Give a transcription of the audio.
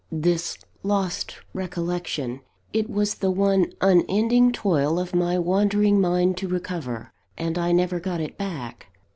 This lost recollection, it was the one unending toil of my wandering mind to recover, and I never got it back.